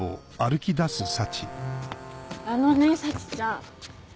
あのね沙智ちゃん。